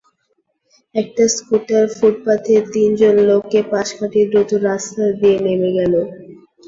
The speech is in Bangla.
একটা স্কুটার ফুটপাথের তিনজন লোককে পাশ কাটিয়ে দ্রুত রাস্তা দিয়ে নেমে গেল।